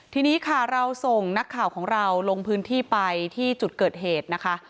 ทีนี้ค่ะเราส่งนักข่าวของเราลงพื้นที่ไปที่จุดเกิดเหตุนะคะ